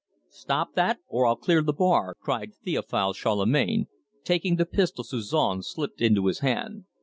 "Stop that, or I'll clear the bar!" cried Theophile Charlemagne, taking the pistol Suzon slipped into his hand.